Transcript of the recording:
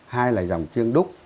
hai là dòng chiêng đúc